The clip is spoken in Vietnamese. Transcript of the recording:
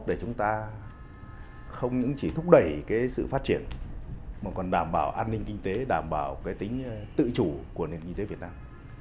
để chúng ta không chỉ thúc đẩy cái sự phát triển mà còn đảm bảo an ninh kinh tế đảm bảo tính tự chủ của nền kinh tế việt nam